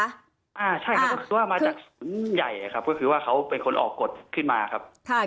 อ่าใช่ครับก็คือว่ามาจากศูนย์ใหญ่ครับก็คือว่าเขาเป็นคนออกกฎขึ้นมาครับ